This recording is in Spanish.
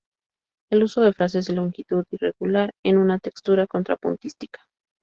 El uso de frases de longitud irregular en una textura contrapuntística.